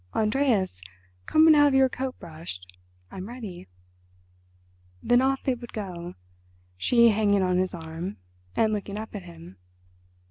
"Andreas, come and have your coat brushed. I'm ready." Then off they would go, she hanging on his arm, and looking up at him.